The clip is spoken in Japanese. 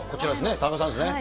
田中さんですね。